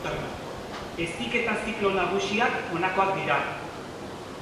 Heziketa ziklo nagusiak honakoak dira.